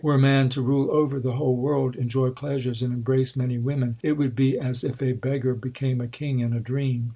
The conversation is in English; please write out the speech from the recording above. Were man to rule over the whole world, Enjoy pleasures and embrace many women, It would be as if a beggar became a king in a dream.